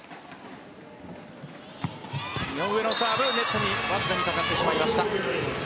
井上のサーブ、ネットにわずかにかかってしまいました。